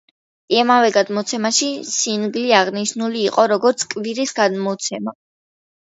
იმავე გამოცემაში სინგლი აღნიშნული იყო, როგორც კვირის გამოცემა.